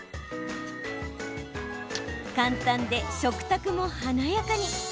簡単で食卓も華やかに。